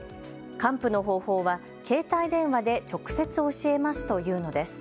還付の方法は携帯電話で直接教えますというのです。